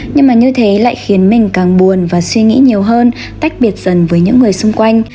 nhưng mà như thế lại khiến mình càng buồn và suy nghĩ nhiều hơn tách biệt dần với những người xung quanh